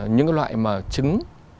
những cái loại mà trứng